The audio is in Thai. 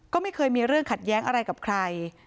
ก็ไม่เคยมีเรื่องขัดแย้งอะไรกับใคร